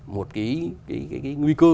một cái nguy cơ